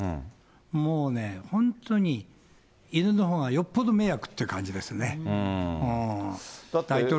もうね、本当に犬のほうがよっぽど迷惑って感じですね。